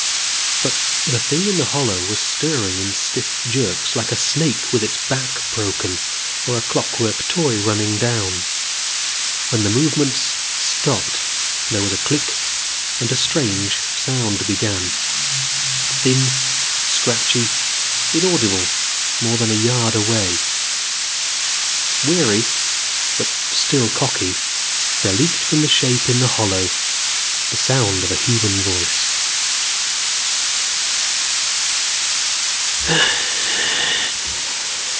But the thing in the hollow was stirring in stiff jerks like a snake with its back broken or a clockwork toy running down. When the movements stopped, there was a click and a strange sound began. Thin, scratchy, inaudible more than a yard away, weary but still cocky, there leaked from the shape in the hollow the sound of a human voice.